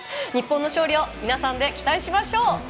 日本の勝利を皆さんで期待しましょう。